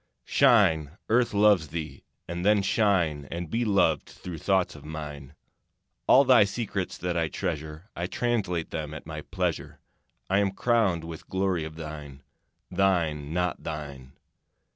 Shine, Earth loves thee! And then shine And be loved through thoughts of mine. All thy secrets that I treasure I translate them at my pleasure. I am crowned with glory of thine. Thine, not thine.